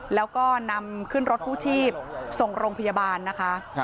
แล้วก็นำขึ้นรถกู้ชีพส่งโรงพยาบาลนะคะ